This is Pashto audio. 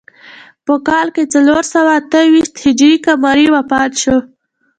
په کال څلور سوه اته ویشت هجري قمري وفات شو.